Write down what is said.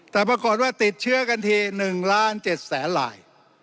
แต่ปรากฏว่าติดเชื้อกันที๑๗๐๐๐๐๐ลาย